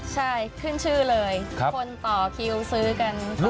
ใช่ขึ้นชื่อเลยคนต่อคิวซื้อกัน